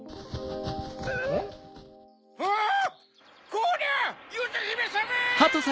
こりゃゆずひめさま！